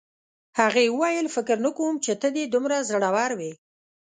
هغې وویل فکر نه کوم چې ته دې دومره زړور وې